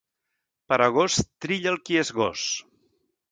Per agost trilla el qui és gos.